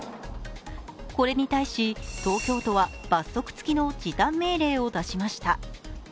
これに対し、東京都は罰則付きの時短命令を出しました。